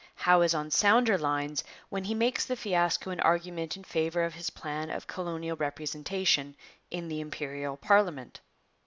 Howe is on sounder lines when he makes the fiasco an argument in favour of his plan of colonial representation in the Imperial parliament.